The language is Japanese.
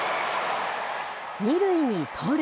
２塁に盗塁。